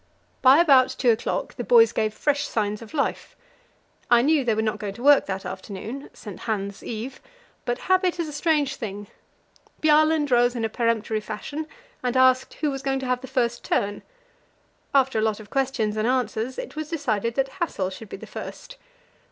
By about two o'clock the boys gave fresh signs of life. I knew they were not going to work that afternoon St. Hans' Eve but habit is a strange thing. Bjaaland rose in a peremptory fashion, and asked who was going to have the first turn. After a lot of questions and answers, it was decided that Hassel should be the first.